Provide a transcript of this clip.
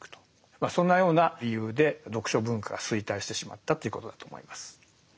まあそんなような理由で読書文化が衰退してしまったっていうことだと思います。